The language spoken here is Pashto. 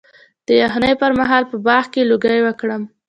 د یخنۍ پر مهال په باغ کې لوګی وکړم؟